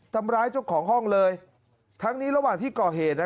ทำร้ายเจ้าของห้องเลยทั้งนี้ระหว่างที่ก่อเหตุนะ